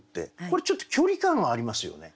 これちょっと距離感がありますよね。